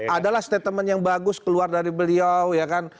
adalah statement yang bagus keluar dari beliau ya kan